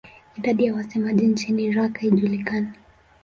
Idadi ya wasemaji nchini Iraq haijulikani.